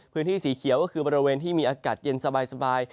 พื้นที่สีเขียวก็คือบริเวณที่มีอากาศเย็นสบาย